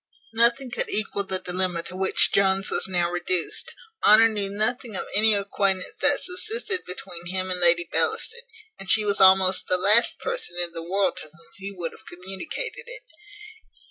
Nothing could equal the dilemma to which Jones was now reduced. Honour knew nothing of any acquaintance that subsisted between him and Lady Bellaston, and she was almost the last person in the world to whom he would have communicated it.